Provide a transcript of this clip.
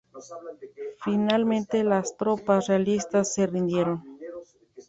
Finalmente las tropas realistas se rindieron.